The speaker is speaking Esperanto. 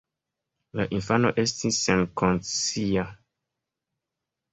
La infano estis senkonscia.